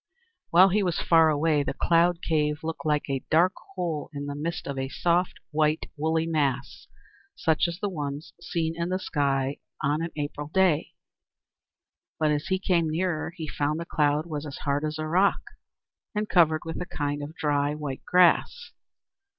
While he was far away, the cloud cave looked like a dark hole in the midst of a soft, white, woolly mass, such as one sees in the sky on an April day; but as he came nearer he found the cloud was as hard as a rock, and covered with a kind of dry, white grass.